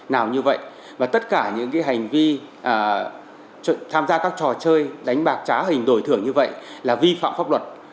nào như vậy và tất cả những hành vi tham gia các trò chơi đánh bạc trá hình đổi thưởng như vậy là vi phạm pháp luật